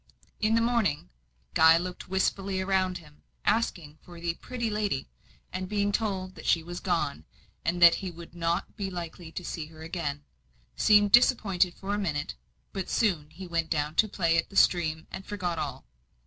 In the morning, Guy looked wistfully around him, asking for the "pretty lady;" and being told that she was gone, and that he would not be likely to see her again, seemed disappointed for a minute; but soon he went down to play at the stream, and forgot all.